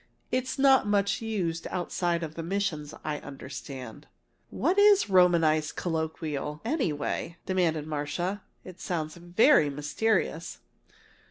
It's not much used outside of the missions, I understand." "What is 'Romanized Colloquial,' anyway?" demanded Marcia. "It sounds very mysterious!"